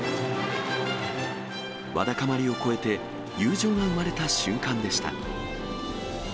わだかまりを超えて、友情が生まれた瞬間でした。